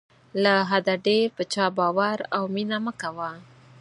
له حده ډېر په چا باور او مینه مه کوه.